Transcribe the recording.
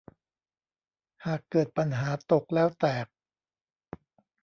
หากเกิดปัญหาตกแล้วแตก